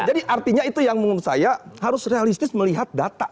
jadi artinya itu yang menurut saya harus realistis melihat data